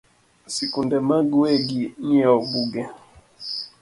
Sikunde mag wegi ng’iewo buge